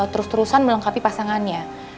terus terusan melengkapi pasangannya